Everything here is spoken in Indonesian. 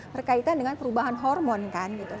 berkaitan dengan perubahan hormon kan gitu